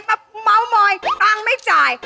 มาเม้ามอยตังไม่จ่าย